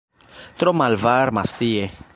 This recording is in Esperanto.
"Tro malvarmas tie!"